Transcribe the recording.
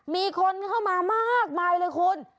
มีคนเข้ามามากมายเลยคุณ